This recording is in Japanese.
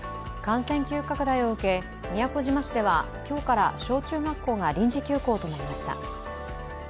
感染急拡大を受け、宮古島市では今日から小中学校が臨時休校となりました。